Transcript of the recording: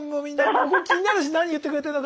僕も気になるし何言ってくれてるのか。